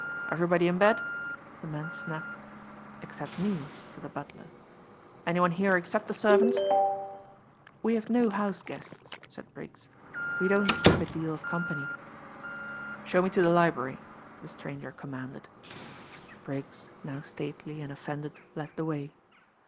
"Everybody in bed?" the man snapped. "Except me," said the butler. "Any one here except the servants?" "We have no house guests," said Briggs. "We don't keep a deal of company." "Show me to the library," the stranger commanded. Briggs, now stately and offended, led the way.